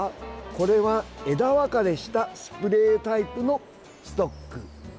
これは、枝分かれしたスプレータイプのストック。